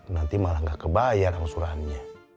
nanti malah nggak kebayar angsurannya